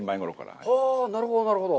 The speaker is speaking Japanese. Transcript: なるほど、なるほど。